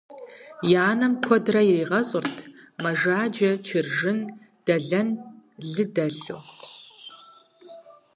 И анэм куэдрэ иригъэщӏырт мэжаджэ, чыржын, дэлэн, лы дэлъу.